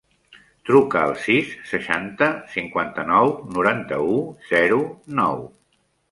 Truca al sis, seixanta, cinquanta-nou, noranta-u, zero, nou.